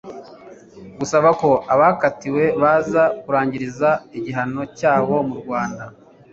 gusaba ko abakatiwe baza kurangiriza igihano cyabo mu rwanda